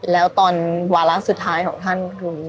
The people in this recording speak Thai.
แล้วตอนวาระสุดท้ายของท่านคือ